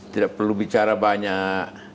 tidak perlu bicara banyak